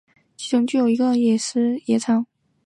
其中似乎确凿只有一些野草